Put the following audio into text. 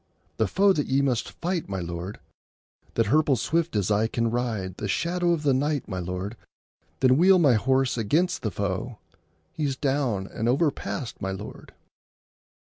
— The foe that ye must fight, my lord.— That hirples swift as I can ride?— The shadow of the night, my lord.— Then wheel my horse against the foe!— He's down and overpast, my lord.